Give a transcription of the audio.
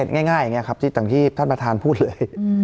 ง่ายอย่างนี้ครับอย่างที่ท่านประธานพูดเลย